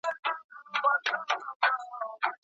مېوې د وینې د کمښت په درملنه کې مرسته کوي.